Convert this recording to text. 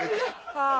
ああ。